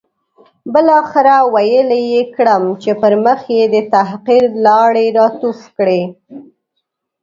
بالاخره ویلې یې کړم، پر مخ یې د تحقیر لاړې را توف کړې.